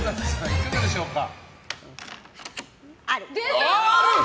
いかがでしょうか？